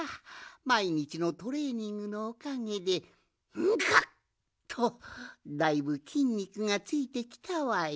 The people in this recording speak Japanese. まいにちのトレーニングのおかげでガッとだいぶきんにくがついてきたわい。